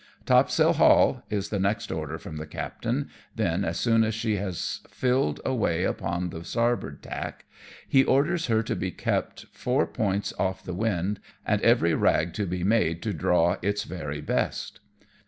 " Topsail haul," is the next order from the captain, then as soon as she has filled away upon the starboard tack, he orders her to be kept four points off the wind, and every rag to be made to draw its very best.